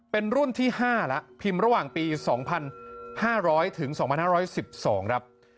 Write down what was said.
เป็นรุ่นที่๕แล้วพิมพ์ระหว่างปี๒๕๐๐ถึง๒๕๑๒ครับ